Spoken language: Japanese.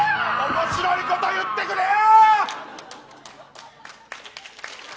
面白いこと言ってくれよ！